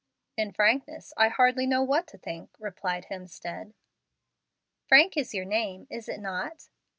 "In frankness, I hardly know what to think," replied Hemstead. "Frank is your name, is it not?"